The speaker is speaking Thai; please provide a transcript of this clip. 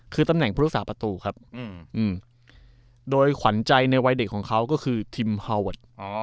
คือตำแหน่งผู้รักษาประตูครับโดยขวัญใจในวัยเด็กของเขาก็คือทีมฮาเวิร์ด